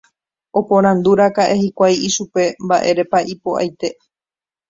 Oporandúraka'e hikuái ichupe mba'érepa ha'e ipo'aite.